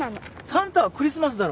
サンタはクリスマスだろ。